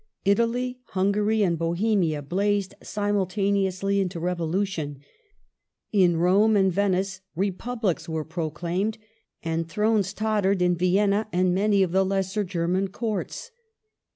Italy, Hungary, and Bohemia blazed simultaneously into revolution. In Rome and Venice Republics were proclaimed ; and thrones tottered in Vienna and many of the lesser German Courts.